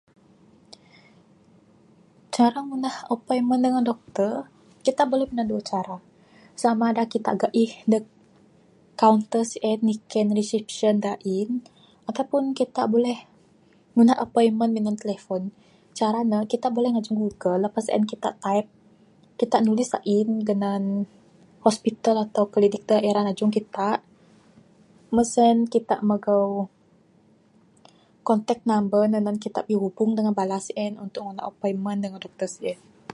Cara ngundah appointment dengan dokter, kitak buleh minan duwuh cara. Samada kitak ga'ih ndug kaunter sien, nyiken reception da a'in atau pun kitak buleh ngundah appointment minan telefon. Cara ne kitak buleh ngajung google. Lepas sien kitak taip. Kitak nulis a'in ganan hospital atau klinik da ira najung kitak. Mbuh sen kitak magau kontak number ne nan kitak bihubung dengan bala sien untuk ngundah appointment dokter sien.